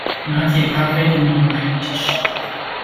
拿鐵咖啡的牛奶比較少